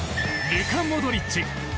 ルカ・モドリッチ。